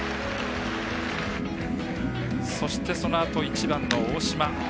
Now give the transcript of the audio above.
そして、そのあと１番の大島。